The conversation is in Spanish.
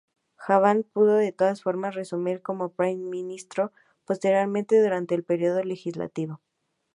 Jagan pudo de todas formas reasumir como Primer Ministro posteriormente durante el periodo legislativo.